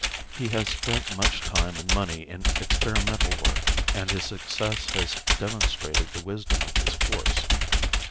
He has spent much time and money in experimental work, and his success has demonstrated the wisdom of his course.